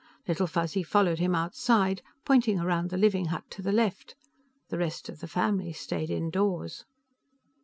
Little Fuzzy followed him outside, pointing around the living hut to the left. The rest of the family stayed indoors.